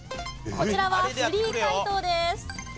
こちらはフリー解答です。